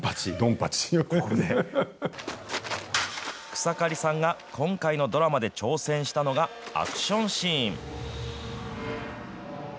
草刈さんが今回のドラマで挑戦したのが、アクションシーン。